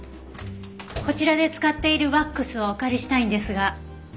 こちらで使っているワックスをお借りしたいんですが。